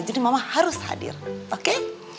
jadi mama harus hadir oke